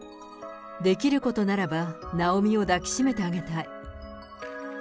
できることならばなおみを抱きしめてあげたい。